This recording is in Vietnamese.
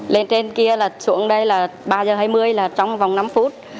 lên trên kia là xuống đây là ba giờ hai mươi là trong vòng năm phút